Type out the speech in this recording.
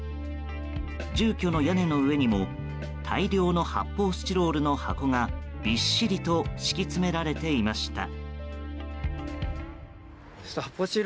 住居の屋根の上にも大量の発泡スチロールの箱がびっしりと敷き詰められていました。